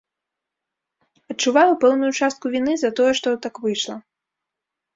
Адчуваю пэўную частку віны за тое што, так выйшла.